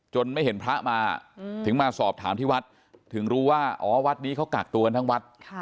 ไม่เห็นพระมาถึงมาสอบถามที่วัดถึงรู้ว่าอ๋อวัดนี้เขากักตัวกันทั้งวัด